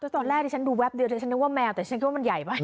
ตัวแรกดิฉันดูแวบเดียวเดี๋ยวฉันนึกว่าแมวแต่ฉันคิดว่ามันใหญ่ไป